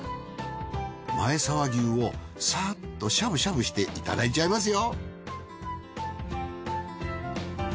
前沢牛をサッとしゃぶしゃぶしていただいちゃいますよ。